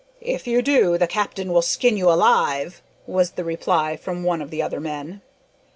"If you do, the captain will skin you alive," was the reply from one of the other men.